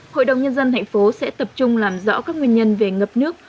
hội đồng nhân dân tp hcm sẽ tập trung làm rõ các nguyên nhân về ngập nước